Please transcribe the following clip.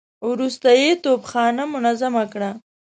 وروسته يې توپخانه منظمه کړه.